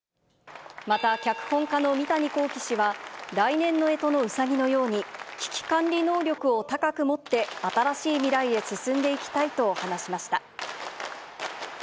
また、脚本家の三谷幸喜氏は来年のえとのうさぎのように、危機管理能力を高く持って、新しい未来へ進んでいきたいと話しました。